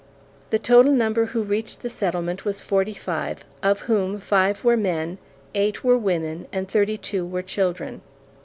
The total number who reached the settlement was forty five; of whom five were men, eight were women, and thirty two were children.